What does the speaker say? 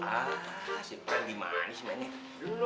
sipan di manis men